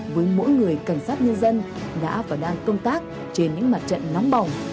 với mỗi người cảnh sát nhân dân đã và đang công tác trên những mặt trận nóng bỏng